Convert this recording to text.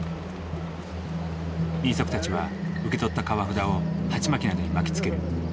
人足たちは受け取った川札を鉢巻きなどに巻きつける。